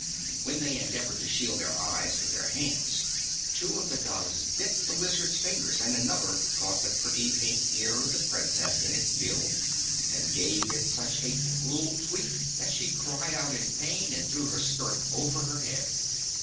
When they endeavored to shield their eyes with their hands, two of the doves bit the Wizard's fingers and another caught the pretty pink ear of the Princess in its bill and gave it such a cruel tweak that she cried out in pain and threw her skirt over her head.